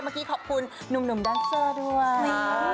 เมื่อกี้ขอบคุณหนุ่มดันเซอร์ด้วย